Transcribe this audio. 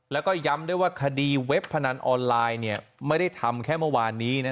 แล้วก็ย้ำด้วยว่าคดีเว็บพนันออนไลน์ไม่ได้ทำแค่เมื่อวานนี้